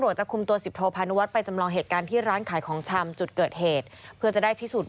ชำจุดเกิดเหตุเพื่อจะได้พิสูจน์